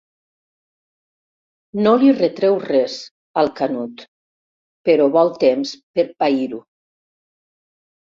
No li retreu res, al Canut, però vol temps per pair-ho.